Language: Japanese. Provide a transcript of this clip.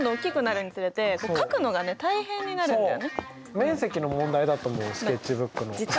面積の問題だと思うスケッチブックの。